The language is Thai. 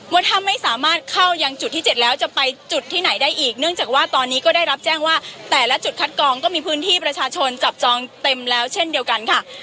ว่าถ้าไม่สามารถเข้ายังจุดที่๗แล้วจะไปจุดที่ไหนได้อีกเนื่องจากว่าตอนนี้ก็ได้รับแจ้งว่าแต่ละจุดคัดกองก็มีพื้นที่ประชาชนจับจองเต็มแล้วเช่นเดียวกันค่ะ